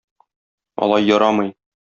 Алай ярамый.